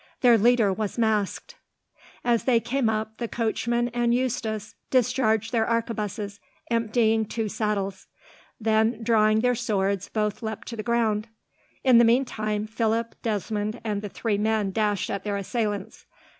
Their leader was masked. As they came up, the coachman and Eustace discharged their arquebuses, emptying two saddles. Then, drawing their swords, both leapt to the ground. In the meantime Philip, Desmond, and the three men dashed at their assailants.